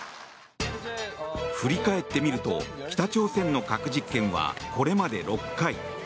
振り返ってみると北朝鮮の核実験はこれまで６回。